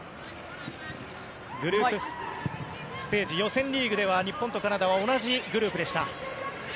グループステージ予選リーグでは日本とカナダは同じグループでした。